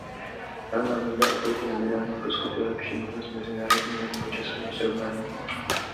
Reálná mzda oproti nominální poskytuje lepší možnost mezinárodního nebo časového srovnání.